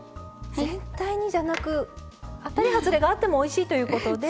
全体にじゃなく当たり外れがあってもおいしいということで。